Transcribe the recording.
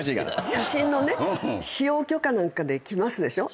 写真のね使用許可なんかで来ますでしょ。